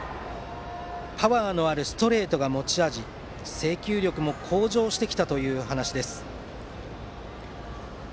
パワーのあるストレートが持ち味制球力も向上してきたという話です。